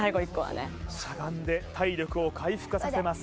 しゃがんで体力を回復させます